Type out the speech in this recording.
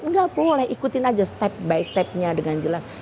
nggak boleh ikutin aja step by stepnya dengan jelas